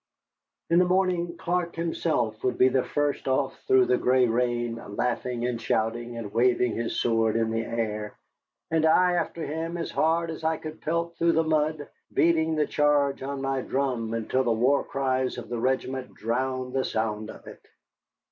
In the morning Clark himself would be the first off through the gray rain, laughing and shouting and waving his sword in the air, and I after him as hard as I could pelt through the mud, beating the charge on my drum until the war cries of the regiment drowned the sound of it.